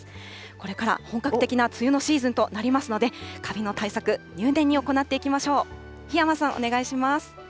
これから本格的な梅雨のシーズンとなりますので、かびの対策、入念に行っていきましょう。